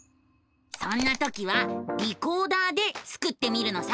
そんな時は「リコーダー」でスクってみるのさ！